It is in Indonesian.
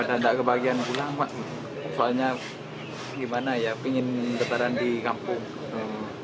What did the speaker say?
nggak kebagian pulang pak soalnya gimana ya pengen letaran di kampung